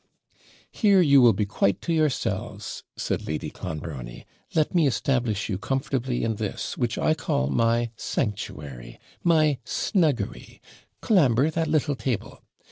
'Here you will be quite to yourselves,' said Lady Clonbrony; 'let me establish you comfortably in this, which I call my sanctuary my SNUGGERY Colambre, that little table!